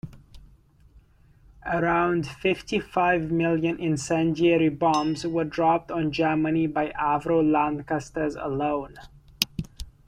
Around fifty-five million incendiary bombs were dropped on Germany by Avro Lancasters alone.